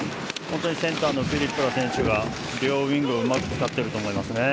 本当にセンターのフィルップラ選手が両ウイングをうまく使っていると思います。